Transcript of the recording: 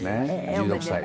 １６歳で。